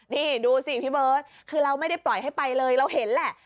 นี่ดูสิพี่เบิร์ตคือเราไม่ได้ปล่อยให้ไปเลยเราเห็นแหละ